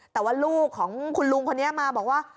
แต่ว่าลูกของคุณลุงคนนี้มาบอกว่า